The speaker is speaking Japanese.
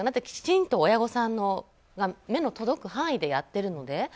きちんと親御さんの目の届く範囲でやっているので。